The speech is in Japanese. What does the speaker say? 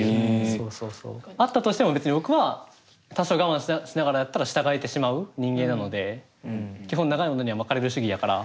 そうそうそうあったとしても別に僕は多少我慢しながらやったら従えてしまう人間なので基本長いものには巻かれる主義やから。